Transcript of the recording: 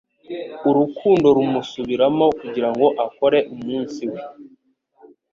Urukundo rumusubiramo kugirango akore umunsi we